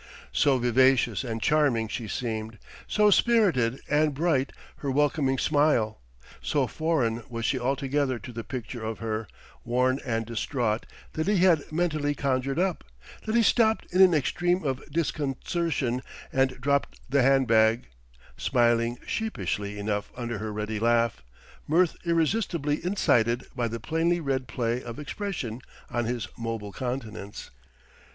So vivacious and charming she seemed, so spirited and bright her welcoming smile, so foreign was she altogether to the picture of her, worn and distraught, that he had mentally conjured up, that he stopped in an extreme of disconcertion; and dropped the hand bag, smiling sheepishly enough under her ready laugh mirth irresistibly incited by the plainly read play of expression on his mobile countenance.